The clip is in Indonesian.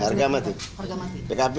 harga mati harga mati